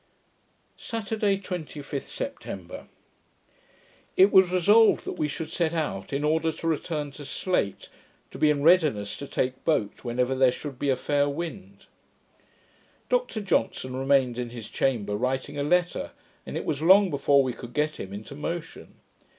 Saturday, 25th September It was resolved that we should set out, in order to return to Slate, to be in readiness to take boat whenever there should be a fair wind. Dr Johnson remained in his chamber writing a letter, and it was long before we could get him into motion.